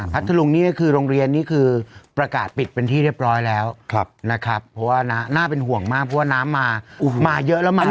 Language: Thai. ทะลุงนี่ก็คือโรงเรียนนี่คือประกาศปิดเป็นที่เรียบร้อยแล้วนะครับเพราะว่าน่าเป็นห่วงมากเพราะว่าน้ำมามาเยอะแล้วมา